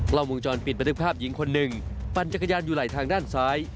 กล้องวงจรปิดบันทึกภาพหญิงคนหนึ่งปั่นจักรยานอยู่ไหลทางด้านซ้าย